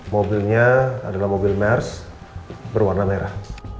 mobilnya adalah mobil mers berwarna merah